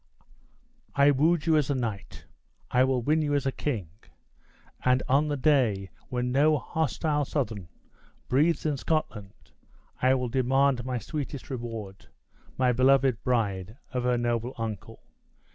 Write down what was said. I wooed you as a knight, I will win you as a king; and on the day when no hostile Southron breathes in Scotland I will demand my sweetest reward, my beloved bride, of her noble uncle.